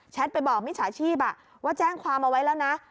ไปบอกมิจฉาชีพว่าแจ้งความเอาไว้แล้วนะ